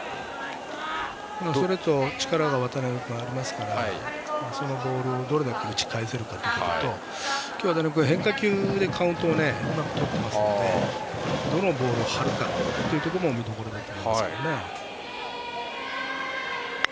ストレートは力が渡邉君はありますからそのボールをどれだけ打ち返せるかというところと渡邉君が変化球でカウントをとっていますのでどのボールを投げていくかも見どころだと思います。